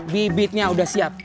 bibitnya udah siap